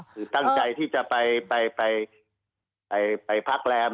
คือตั้งใจที่จะไปพักแรม